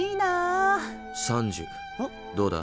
どうだ？